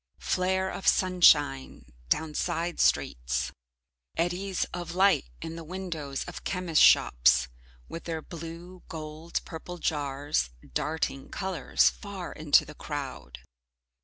Flare of sunshine down side streets. Eddies of light in the windows of chemists' shops, with their blue, gold, purple jars, darting colours far into the crowd.